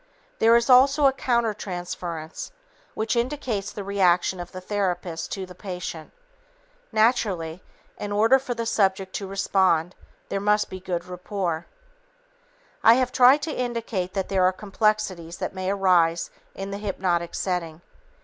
There is also a countertransference which indicates the reaction of the therapist to the patient. Naturally, in order for the subject to respond, there must be good rapport. I have tried to indicate that there are complexities that may arise in the hypnotic setting.